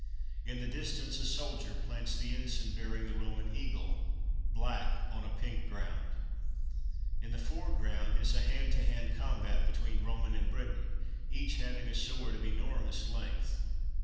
In the distance, a soldier plants the ensign bearing the Roman eagle, black on a pink ground ! In the foreground, is a hand to hand combat between Roman and Briton, each having a sword of enormous length.